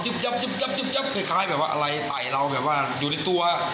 จิ๊บจับจิ๊บจับจิ๊บจับคล้ายคล้ายแบบว่าอะไรไต่เราแบบว่าอยู่ในตัว